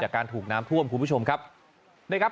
การถูกน้ำท่วมคุณผู้ชมครับนะครับ